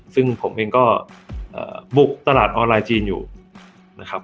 ซึ่งผมเองก็บุกตลาดออนไลน์จีนอยู่นะครับ